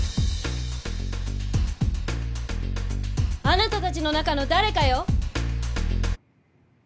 あなたたちの中の誰かよ